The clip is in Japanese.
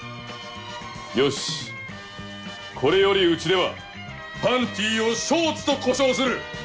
よしこれよりうちでは「パンティ」を「ショーツ」と呼称する。